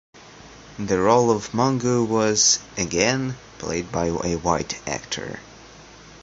The role of Mungo was, again, played by a white actor.